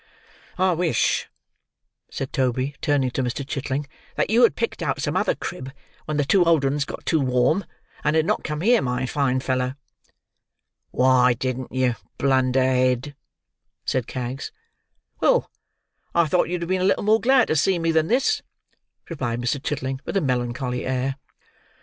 "I wish," said Toby turning to Mr. Chitling, "that you had picked out some other crib when the two old ones got too warm, and had not come here, my fine feller." "Why didn't you, blunder head!" said Kags. "Well, I thought you'd have been a little more glad to see me than this," replied Mr. Chitling, with a melancholy air.